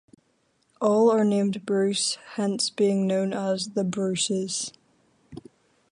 All are named Bruce, hence being known as "the Bruces".